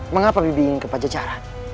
mengapa bibi ingin ke pajajaran